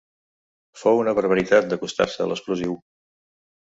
Fou una barbaritat d'acostar-se a l'explosiu.